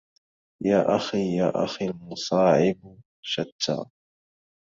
يا أخي يا اخي المصاعب شتى